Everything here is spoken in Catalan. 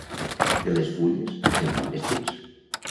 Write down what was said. De les fulles se'n fan vestits.